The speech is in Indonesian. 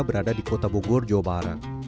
berada di kota bogor jawa barat